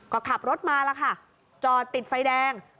ก็ขับรถมาแล้วค่ะจอดติดไฟแดง